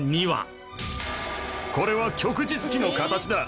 これは旭日旗の形だ！